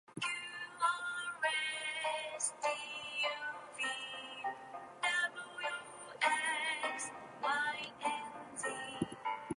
The site was concesioned to Desire More by the Ottoman Empire for farming activities.